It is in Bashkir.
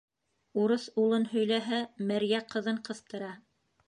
Урыҫ улын һөйләһә, мәрйә ҡыҙын ҡыҫтыра.